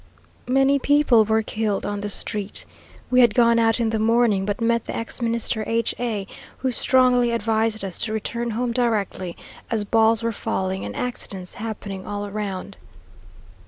Many people were killed on the street. We had gone out in the morning, but met the Ex Minister H a, who strongly advised us to return home directly, as balls were falling, and accidents happening all round.